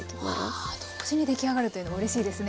はあ同時に出来上がるというのもうれしいですね。